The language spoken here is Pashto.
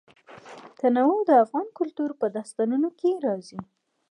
تنوع د افغان کلتور په داستانونو کې راځي.